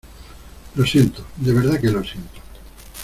lo siento, de verdad que lo siento.